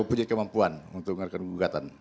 punya kemampuan untuk mengarahkan gugatan